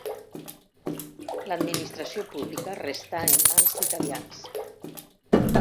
L'administració pública restà en mans d'italians.